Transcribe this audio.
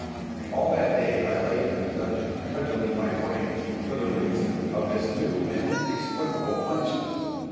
All that day I lay in the dungeon cudgelling my brains for the reason of this new and inexplicable punishment.